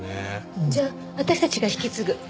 じゃあ私たちが引き継ぐ。